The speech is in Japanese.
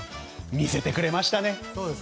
見せてくれましたね。